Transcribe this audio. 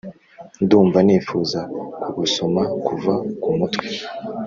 ndumva nifuza kugusoma kuva ku mutwe